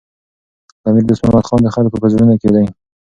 امیر دوست محمد خان د خلکو په زړونو کي و.